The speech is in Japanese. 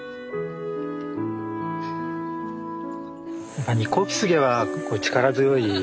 やっぱニッコウキスゲは力強い。